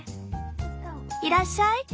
「いらっしゃい。